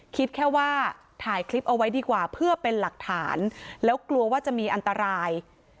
คิดแค่ว่าถ่ายคลิปเอาไว้ดีกว่าเพื่อเป็นหลักฐานแล้วกลัวว่าจะมีอันตราย